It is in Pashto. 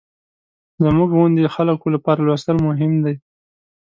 زموږ غوندې خلکو لپاره لوستل مهم دي.